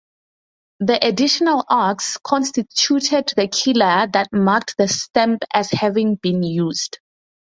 The additional arcs constituted the "killer" that marked the stamp as having been used.